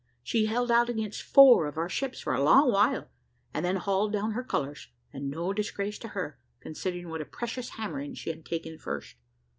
She held out against four of our ships for a long while, and then hauled down her colours, and no disgrace to her, considering what a precious hammering she had taken first.